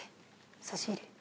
差し入れ。